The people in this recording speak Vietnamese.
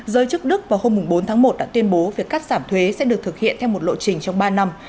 giới chức đức vào hôm bốn tháng một đã tuyên bố việc cắt giảm thuế sẽ được thực hiện theo một lộ trình trong ba năm